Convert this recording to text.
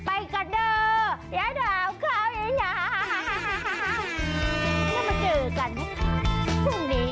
ไปกันเด้ออย่าเดินเข้าอย่างนั้น